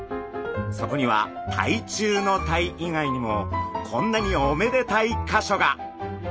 そこには鯛中鯛以外にもこんなにおめでたいかしょが！